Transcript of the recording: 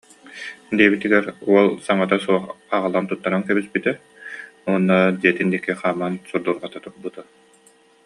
диэбитигэр уол саҥата суох аҕалан туттаран кэбиспитэ уонна дьиэтин диэки хааман сурдурҕата турбута